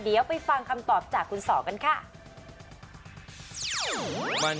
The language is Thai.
เดี๋ยวไปฟังคำตอบจากคุณสอกันค่ะ